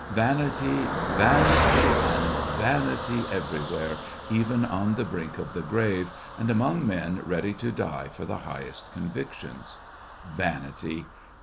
Vanity ! vanity ! and vanity everywhere, even on the brink of the grave, and among men ready to die for the highest convictions. Vanity